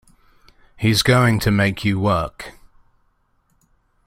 He's going to make you work.